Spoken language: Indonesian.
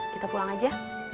kita pulang aja